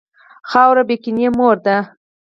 خاوره بېکینه مور ده.